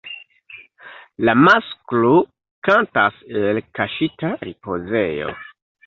La masklo kantas el kaŝita ripozejo.